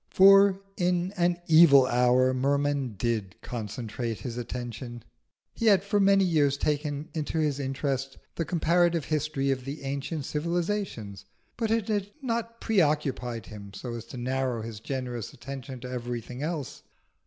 For in an evil hour Merman did concentrate himself. He had for many years taken into his interest the comparative history of the ancient civilisations, but it had not preoccupied him so as to narrow his generous attention to everything else.